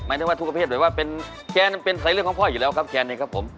หมายนึกว่าทุกประเภทหมายนึกว่าแคน